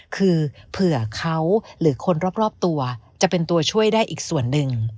คือเผื่อเขาหรือคนรอบตัวจะเป็นตัวช่วยได้อีกส่วนหนึ่ง